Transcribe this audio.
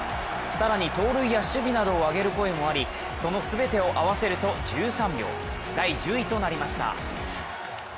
更に盗塁や守備などをあげる声もあり、その全てを合わせると１３票、第１０位となりました。